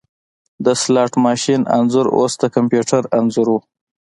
د سلاټ ماشین انځور اوس د کمپیوټر انځور و